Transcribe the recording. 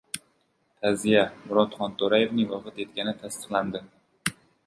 Ta’ziya! Murod Xonto‘rayevning vafot etgani tasdiqlandi